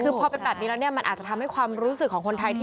คือพอเป็นแบบนี้แล้วเนี่ยมันอาจจะทำให้ความรู้สึกของคนไทย